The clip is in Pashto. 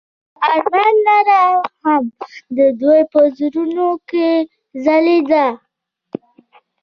د آرمان رڼا هم د دوی په زړونو کې ځلېده.